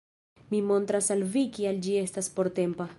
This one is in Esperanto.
Mi montras al vi kial ĝi estas portempa